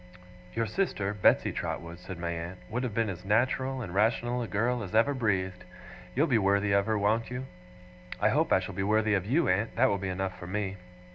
'Your sister, Betsey Trotwood,' said my aunt, 'would have been as natural and rational a girl as ever breathed. You'll be worthy of her, won't you?' 'I hope I shall be worthy of YOU, aunt. That will be enough for me.